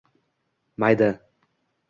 майда!